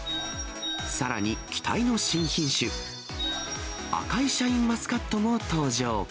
さらに、期待の新品種、赤いシャインマスカットも登場。